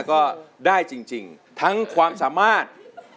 ก็ได้จริงทั้งความสามารถ